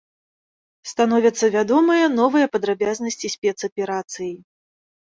Становяцца вядомыя новыя падрабязнасці спецаперацыі.